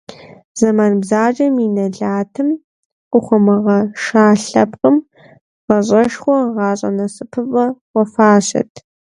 Зэман бзаджэм и нэлатым къыхуэмыгъэша лъэпкъым гъащӀэшхуэ, гъащӀэ насыпыфӀэ хуэфащэт.